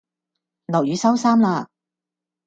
落雨收衫啦